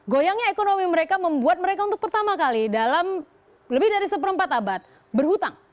goyangnya ekonomi mereka membuat mereka untuk pertama kali dalam lebih dari seperempat abad berhutang